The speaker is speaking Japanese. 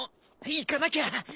行かなきゃ。